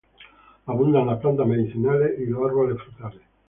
Abundan las plantas medicinales y los árboles frutales.